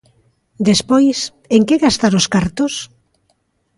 Despois ¿en que gastar os cartos?